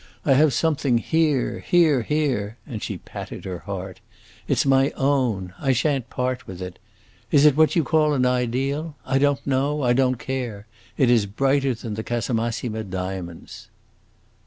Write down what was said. I have something here, here, here!" and she patted her heart. "It 's my own. I shan't part with it. Is it what you call an ideal? I don't know; I don't care! It is brighter than the Casamassima diamonds!"